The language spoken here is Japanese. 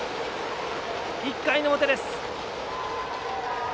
１回の表です。